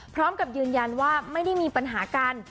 พร้อมกับยืนยันว่าไม่ได้มีปัญหากัน